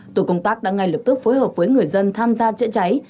tổ công tác đã ngay lập tức phối hợp với người dân tham gia chữa cháy